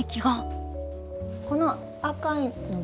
この赤いのは？